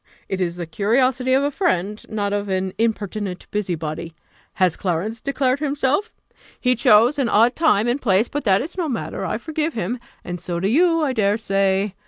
It is the curiosity of a friend, not of an impertinent busybody. Has Clarence declared himself? He chose an odd time and place; but that is no matter; I forgive him, and so do you, I dare say.